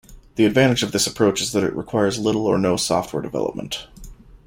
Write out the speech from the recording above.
The advantage of this approach is that it requires little or no software development.